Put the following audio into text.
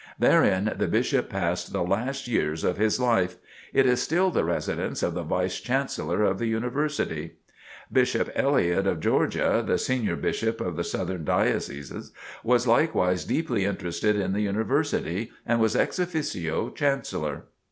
Therein the Bishop passed the last years of his life. It is still the residence of the Vice Chancellor of the University. Bishop Elliott of Georgia, the senior Bishop of the Southern Dioceses, was likewise deeply interested in the University and was ex officio Chancellor.